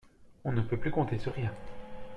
On ne peut plus compter sur rien.